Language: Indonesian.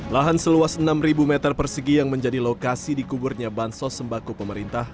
lahan seluas enam meter persegi yang menjadi lokasi di kuburnya bansos sembaku pemerintah